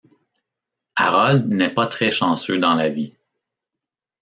Harold n'est pas très chanceux dans la vie.